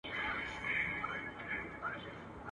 باز له ليري را غوټه له شنه آسمان سو.